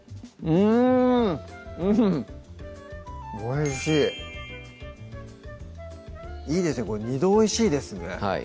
うんおいしいいいですね二度おいしいですねはい